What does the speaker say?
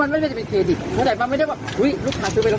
ตรงนั้นใช่ถึงการที่พูดเราอย่างนั้นพูดไปไปเลย